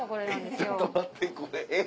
ちょっと待ってくれえっ？